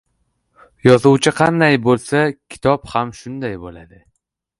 • Yozuvchi qanday bo‘lsa, kitob ham shunday bo‘ladi.